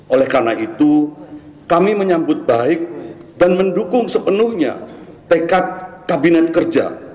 oleh karena itu kami menyambut baik dan mendukung sepenuhnya tekad kabinet kerja